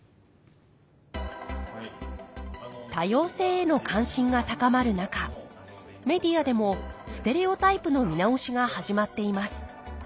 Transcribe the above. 多様性への関心が高まる中メディアでもステレオタイプの見直しが始まっています